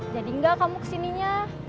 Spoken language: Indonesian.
jadi gak kamu kesininya